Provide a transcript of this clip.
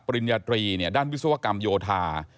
ปริญญาตรีด้านวิศวกรรมโยธา